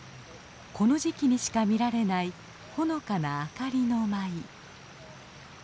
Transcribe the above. この時期にしか見られないほのかな明かりの舞。